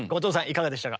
いかがでしたか？